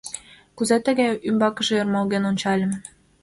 — Кузе тыге? — ӱмбакыже ӧрмалген ончальым.